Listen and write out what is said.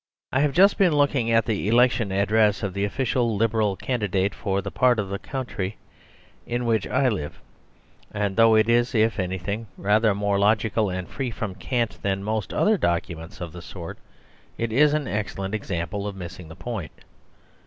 I have just been looking at the election address of the official Liberal candidate for the part of the country in which I live; and though it is, if anything, rather more logical and free from cant than most other documents of the sort it is an excellent example of missing the point.